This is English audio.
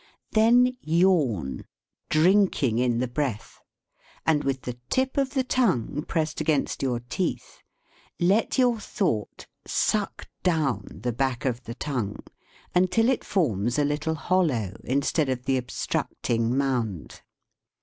Then yawn, drinking in the breath, and with the tip of the tongue pressed against your teeth, let your thought suck down the back of the tongue until it forms a little hol low instead of the obstructing mound.